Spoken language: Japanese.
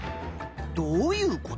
どういうこと？